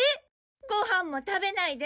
ご飯も食べないで。